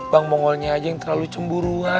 bang mongolnya aja yang terlalu cemburu